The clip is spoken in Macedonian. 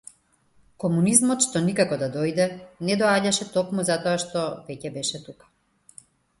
Комунизмот што никако да дојде, не доаѓаше токму затоа што веќе беше тука.